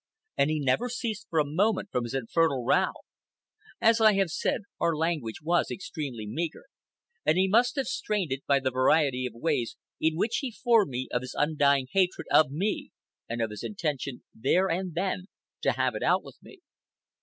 And he never ceased for a moment from his infernal row. As I have said, our language was extremely meagre, and he must have strained it by the variety of ways in which he informed me of his undying hatred of me and of his intention there and then to have it out with me.